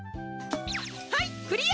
はいクリア！